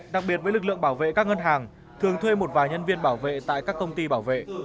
đặc biệt với lực lượng bảo vệ các ngân hàng thường thuê một vài nhân viên bảo vệ tại các công ty bảo vệ